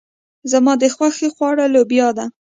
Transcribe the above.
زما د خوښې خواړه لوبيا ده.